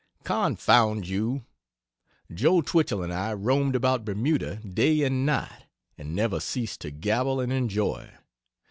Confound you, Joe Twichell and I roamed about Bermuda day and night and never ceased to gabble and enjoy.